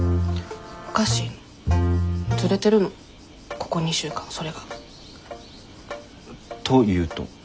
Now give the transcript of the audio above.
ここ２週間それが。というと？